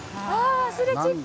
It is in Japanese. アスレチック？